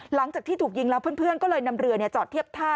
หลังจากที่ถูกยิงแล้วเพื่อนก็เลยนำเรือจอดเทียบท่า